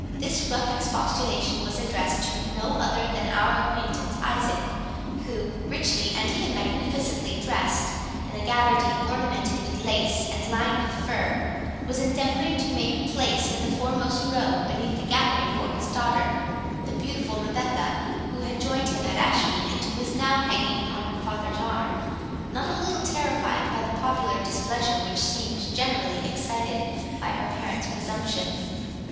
This rough expostulation was addressed to no other than our acquaintance Isaac, who, richly and even magnificently dressed in a gaberdine ornamented with lace and lined with fur, was endeavouring to make place in the foremost row beneath the gallery for his daughter, the beautiful Rebecca, who had joined him at Ashby, and who was now hanging on her father's arm, not a little terrified by the popular displeasure which seemed generally excited by her parent's presumption.